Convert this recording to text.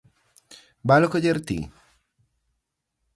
¿Valo coller ti?